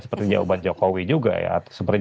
seperti jawaban jokowi juga ya